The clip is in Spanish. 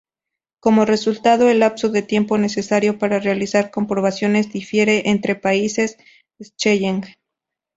Como resultado, el lapso de tiempo necesario para realizar comprobaciones difiere entre países Schengen.